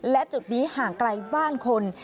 และจุดนี้ห่างไกลบ้านคน